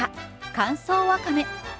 乾燥わかめ。